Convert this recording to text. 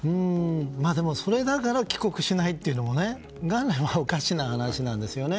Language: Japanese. それだから帰国しないというのも元来はおかしな話なんですよね。